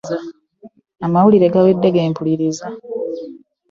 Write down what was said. Amawulire gawedde gempuliriza.